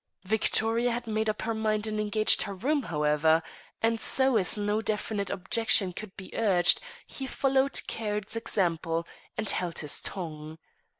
Victoria had made up her mind and engaged her room, however; and so as no definite objection could be urged, he followed Caird's example, and held his tongue.